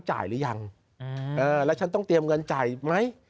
๗จำว่าเราต้องจ่ายชำระหนี้วันไหน